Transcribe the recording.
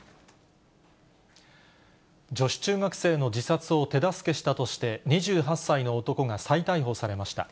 女子中学生の自殺を手助けしたとして、２８歳の男が再逮捕されました。